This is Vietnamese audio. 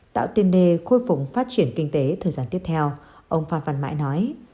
tạo tiền đề khôi phủng phát triển kinh tế thời gian tiếp theo ông phan phan mãi nói